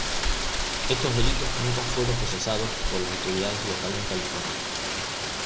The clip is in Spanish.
Estos delitos nunca fueron procesados por las autoridades locales de California.